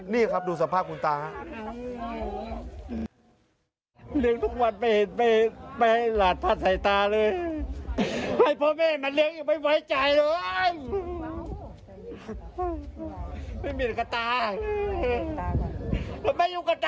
นี่ครับดูสภาพคุณตาครับ